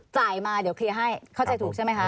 จ่ายมาเดี๋ยวเคลียร์ให้เข้าใจถูกใช่ไหมคะ